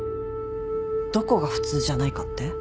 どこが普通じゃないかって？